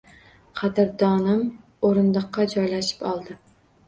Qadrdonim oʻrindiqqa joylashib oldi.